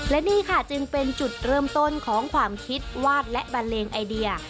และนี่ค่ะจึงเป็นจุดเริ่มต้นของความคิดวาดและบันเลงไอเดีย